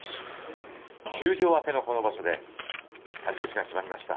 休場明けの場所で勝ち越しが決まりました。